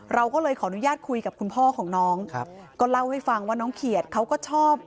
เราก็เลยขออนุญาตคุยกับคุณพ่อของน้องครับก็เล่าให้ฟังว่าน้องเขียดเขาก็ชอบ